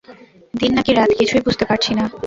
দিন নাকি রাত কিছুই বুঝতে পারছি না।